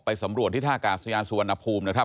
ไปสำรวจทิศากาสุยานสุวรรณภูมินะครับ